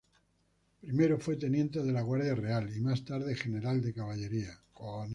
Primero fue teniente de la Guardia Real, y más tarde general de caballería.